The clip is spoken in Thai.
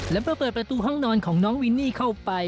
และเมื่อเปิดประตูห้องนอนของน้องวินนี่เข้าไป